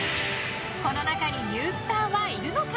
この中にニュースターはいるのか？